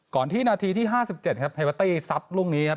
ก่อนที่นาทีที่ห้าสิบเจ็ดครับเฮบาตี้ซับรุ่งนี้ครับ